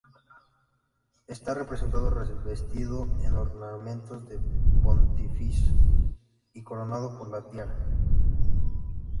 Está representado revestido con ornamentos de pontífice y coronado por la tiara.